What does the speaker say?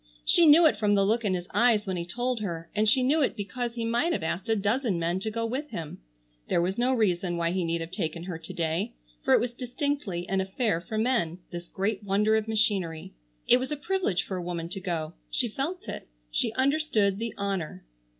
She knew it from the look in his eyes when he told her, and she knew it because he might have asked a dozen men to go with him. There was no reason why he need have taken her to day, for it was distinctly an affair for men, this great wonder of machinery. It was a privilege for a woman to go. She felt it. She understood the honor.